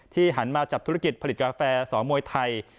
หันมาจับธุรกิจผลิตกาแฟสมวยไทย